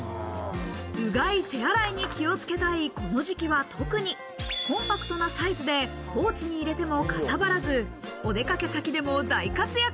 うがい、手洗いに気をつけたいこの時期は、特にコンパクトなサイズで、ポーチに入れてもかさばらず、お出かけ先でも大活躍。